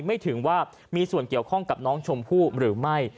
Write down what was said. ไม่ถึงว่ามีส่วนเกี่ยวข้องกับน้องชมพู่หรือไม่